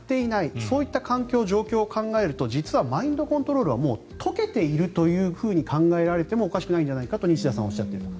そういった環境、状況を考えると実はマインドコントロールはもう解けているというふうに考えられてもおかしくないんじゃないかと西田さんはおっしゃっている。